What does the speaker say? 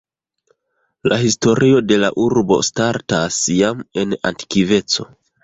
La historio de la urbo startas jam en antikveco.